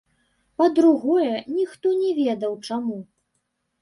Па-другое, ніхто не ведаў чаму.